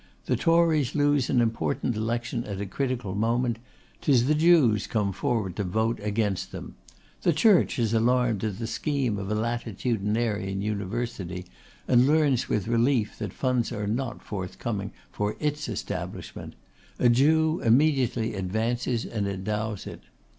The Tories lose an important election at a critical moment; 'tis the Jews come forward to vote against them. The Church is alarmed at the scheme of a latitudinarian university, and learns with relief that funds are not forthcoming for its establishment; a Jew immediately advances and endows it.